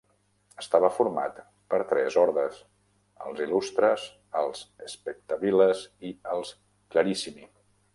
Estava format per tres ordes, els "illustres", els "spectabiles" i els "clarissimi".